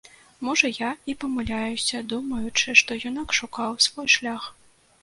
Можа, я і памыляюся, думаючы, што юнак шукаў свой шлях.